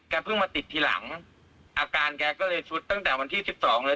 เพิ่งมาติดทีหลังอาการแกก็เลยสุดตั้งแต่วันที่สิบสองเลย